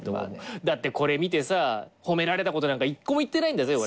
だってこれ見てさ褒められたことなんか一個も言ってないんだぜ俺。